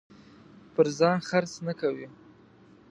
پر ځان خرڅ نه کوي.